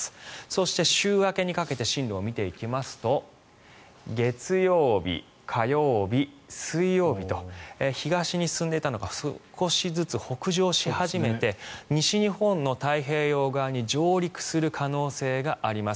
そして週明けにかけて進路を見ていきますと月曜日、火曜日、水曜日と東に進んでいたのが少しずつ北上し始めて西日本の太平洋側に上陸する可能性があります。